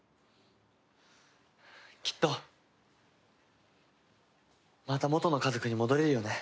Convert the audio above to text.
きっとまた元の家族に戻れるよね？